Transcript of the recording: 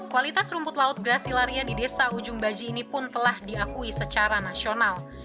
kualitas rumput laut gracilaria di desa ujung baji ini pun telah diakui secara nasional